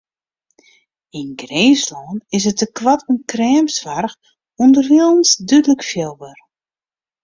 Yn Grinslân is it tekoart oan kreamsoarch ûnderwilens dúdlik fielber.